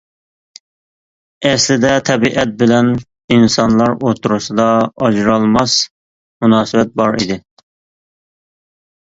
ئەسلىدە تەبىئەت بىلەن ئىنسانلار ئوتتۇرىسىدا ئاجرالماس مۇناسىۋەت بار ئىدى.